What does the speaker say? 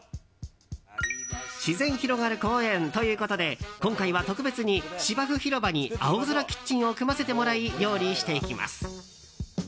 自然広がる公園ということで今回は特別に芝生広場に青空キッチンを組ませてもらい料理していきます。